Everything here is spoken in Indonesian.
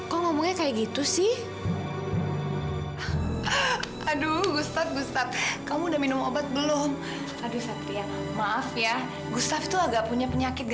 kayaknya tadi lupa telang minum obatnya